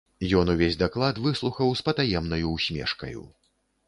Ён увесь даклад выслухаў з патаемнаю ўсмешкаю.